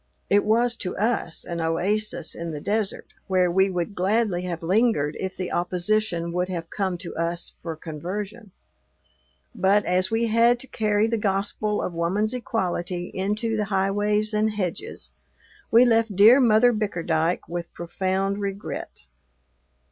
It was, to us, an oasis in the desert, where we would gladly have lingered if the opposition would have come to us for conversion. But, as we had to carry the gospel of woman's equality into the highways and hedges, we left dear Mother Bickerdyke with profound regret.